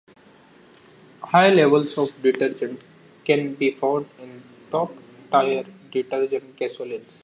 High levels of detergent can be found in Top Tier Detergent Gasolines.